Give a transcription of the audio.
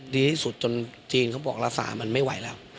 ดีที่สุดจนจีนเขาบอกรักษามันไม่ไหวแล้ว